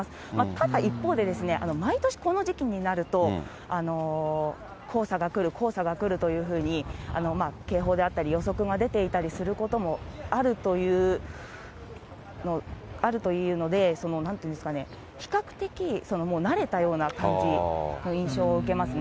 ただ一方でですね、毎年この時期になると、黄砂が来る、黄砂が来るというふうに警報であったり、予測が出ていたりすることもあるというので、なんていうんですかね、比較的慣れたような感じの印象を受けますね。